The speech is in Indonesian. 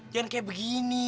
jangan kayak begini